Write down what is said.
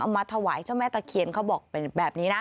มาถวายเจ้าแม่ตะเคียนเขาบอกแบบนี้นะ